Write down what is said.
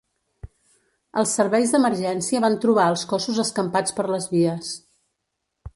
Els serveis d'emergència van trobar els cossos escampats per les vies.